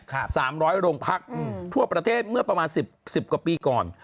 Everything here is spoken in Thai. สามร้อยโรงพักอืมทั่วประเทศเมื่อประมาณสิบสิบกว่าปีก่อน